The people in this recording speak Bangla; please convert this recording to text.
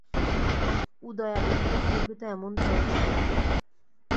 উদয়াদিত্য পূর্বে তো এমনতর ছিল না।